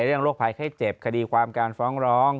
เรื่องโรคภัยแค่เจ็บคดีความการฟ้องร้อง